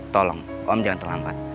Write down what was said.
tolong om jangan terlambat